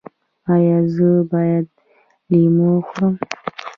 ایا زه باید لیمو وخورم؟